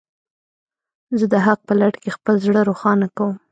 زه د حق په لټه کې خپل زړه روښانه کوم.